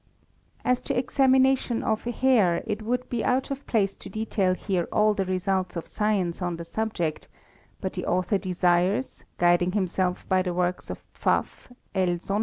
As to examination of hair it would be out of place to detail here all the results of science on the subject, but the author desires, guiding himself by the works of Pfaff, L.